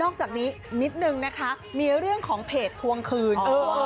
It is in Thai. จากนี้นิดนึงนะคะมีเรื่องของเพจทวงคืน